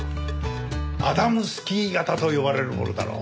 アダムスキー型と呼ばれるものだろう。